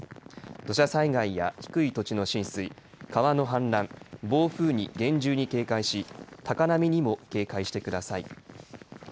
土砂災害や低い土地の浸水、川の氾濫、暴風に厳重に警戒し高波にも警戒してください。